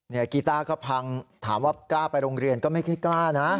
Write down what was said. กีต้าก็พังถามว่ากล้าไปโรงเรียนก็ไม่ค่อยกล้านะ